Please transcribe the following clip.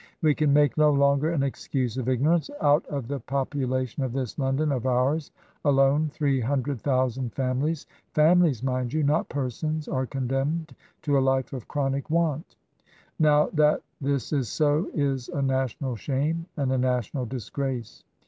We can make no longer an excuse of ignorance. Out of the population of this London of ours alone three hun dred thousand families — families, mind you, not persons — are condemned to a life of chronic want Now, that this is so is a national shame and a national disgrace.